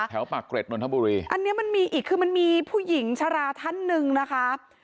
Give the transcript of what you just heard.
ปากเกร็ดนนทบุรีอันนี้มันมีอีกคือมันมีผู้หญิงชราท่านหนึ่งนะคะ